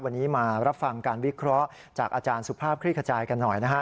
วันนี้มารับฟังการวิเคราะห์จากอาจารย์สุภาพคลี่ขจายกันหน่อยนะฮะ